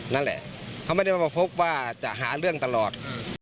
นั่นแหละเขาไม่ได้มาพบว่าจะหาเรื่องตลอด